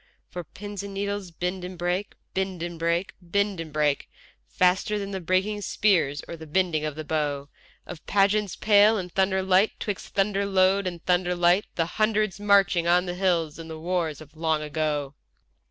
For pins and needles bend and break, bend and break, bend and break, Faster than the breaking spears or the bending of the bow Of pageants pale in thunder light, 'twixt thunder load and thunder light, The Hundreds marching on the hills in the wars of long ago.